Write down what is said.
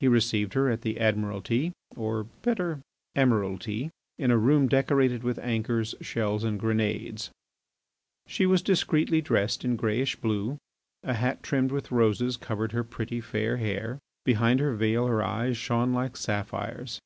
He received her at the Admiralty in a room decorated with anchors, shells, and grenades. Or better, Emiralty. She was discreetly dressed in greyish blue. A hat trimmed with roses covered her pretty, fair hair. Behind her veil her eyes shone like sapphires.